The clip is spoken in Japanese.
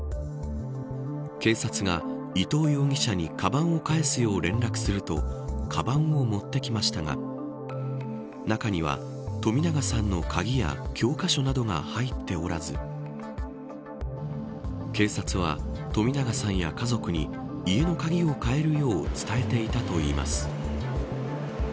警察が、伊藤容疑者にかばんを返すよう連絡するとかばんを持ってきましたが中には、冨永さんの鍵や教科書などが入っておらず警察は、冨永さんや家族に家の鍵を変えるよう伝えていたといいます。